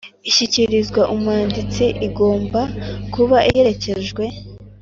Ishyikirizwa umwanditsi igomba kuba iherekejwe